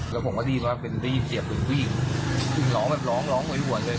แล้วผมว่าดีกว่าเป็นดีเชียบกูลวี่คือหลองแบบหลองหลองอ่ะหัวเลย